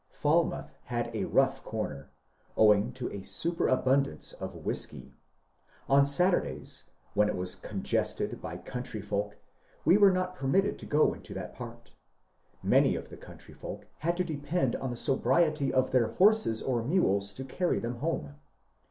Falmouth had a rough comer, owing to a superabundance of whiskey. On Saturdays, when it was congested by country folk, we were not permitted to go into that part. Many of the country folk had to depend on the sobriety of their horses or mules to carry them home.